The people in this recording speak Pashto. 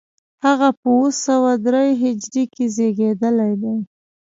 هغه په اوه سوه درې هجري کې زېږېدلی دی.